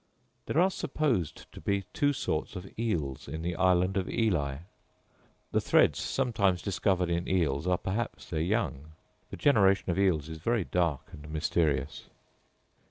There are supposed to be two sorts of eels in the island of Ely. The threads sometimes discovered in eels are perhaps their young: the generation of eels is very dark and mysterious.